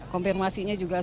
komfirmasinya juga sudah